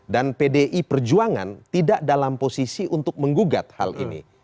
dan pdi perjuangan tidak dalam posisi untuk menggugat hal ini